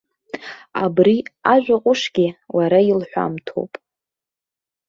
Абри ажәа ҟәышгьы лара илҳәамҭоуп.